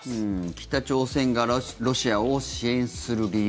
北朝鮮がロシアを支援する理由。